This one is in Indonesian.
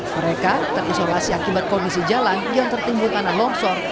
mereka terisolasi akibat kondisi jalan yang tertimbul tanah longsor